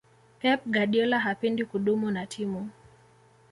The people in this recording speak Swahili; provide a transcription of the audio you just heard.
pep guardiola hapendi kudumu na timu